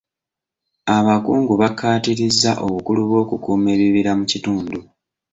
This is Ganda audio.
Abakungu bakkaatirizza obukulu bw'okukuuma ebibira mu kitundu.